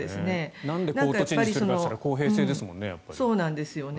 なんでコートチェンジするかというと公平性ですもんね。